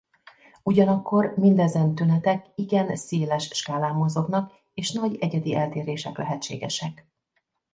Ugyanakkor mindezen tünetek igen széles skálán mozognak és nagy egyedi eltérések lehetségesek.